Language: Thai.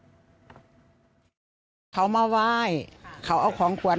มีมนุษยสัมพันธ์ที่ดีกับประชาชนทุกคน